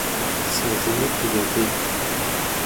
سازهی پیاپی